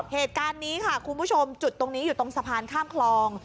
เหตุการณ์นี้ค่ะคุณผู้ชมจุดตรงนี้อยู่ตรงสะพานข้ามคลอง